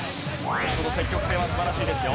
この積極性は素晴らしいですよ。